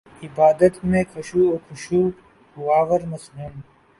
عبادت میں خضوع وخشوع ہواور مسنون